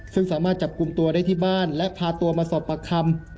ซึ่งสามารถจับกลุ่มตัวได้ที่บ้านและพาตัวมาสอบปากคำ